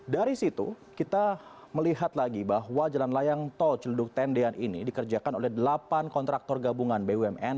dari situ kita melihat lagi bahwa jalan layang tol ciledug tendean ini dikerjakan oleh delapan kontraktor gabungan bumn